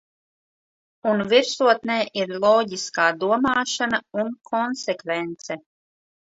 Un virsotnē ir loģiskā domāšana un konsekvence.